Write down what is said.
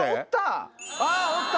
あおった！